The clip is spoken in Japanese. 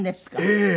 ええ。